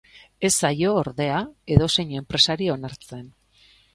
Ez zaio, ordea, edozein enpresari onartzen.